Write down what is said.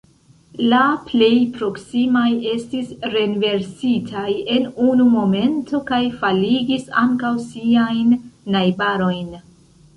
La plej proksimaj estis renversitaj en unu momento kaj faligis ankaŭ siajn najbarojn.